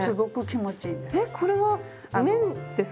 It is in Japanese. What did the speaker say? えっこれは綿ですか？